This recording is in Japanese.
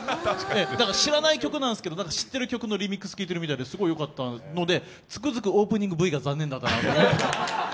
だから知らない曲なんですけど知ってる曲のリミックス聴いてるみたいですごいよかったので、つくづくオープニングＶが残念だったなって。